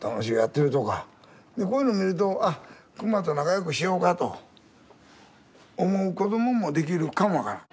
でこういうの見ると「あっ熊と仲良くしようか」と思う子どももできるかも分からん。